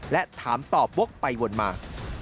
และถามตอบวกไปวนมา